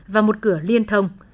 và một cửa liên thông